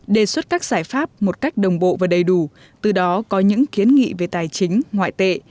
đề xuất các giải pháp một cách đồng bộ và đầy đủ từ đó có những kiến nghị về tài chính ngoại tệ